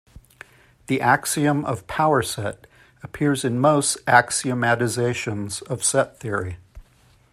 The axiom of power set appears in most axiomatizations of set theory.